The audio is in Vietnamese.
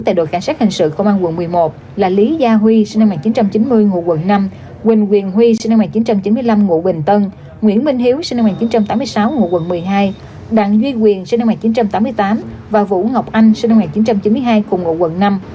tại đội cảnh sát hình sự công an quận một mươi một là lý gia huy sinh năm một nghìn chín trăm chín mươi ngụ quận năm quỳnh quyền huy sinh năm một nghìn chín trăm chín mươi năm ngụ bình tân nguyễn minh hiếu sinh năm một nghìn chín trăm tám mươi sáu ngụ quận một mươi hai đặng duy quyền sinh năm một nghìn chín trăm tám mươi tám và vũ ngọc anh sinh năm một nghìn chín trăm chín mươi hai cùng ngụ quận năm